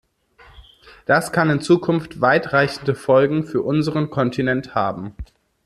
Das kann in Zukunft weit reichende Folgen für unseren Kontinent haben.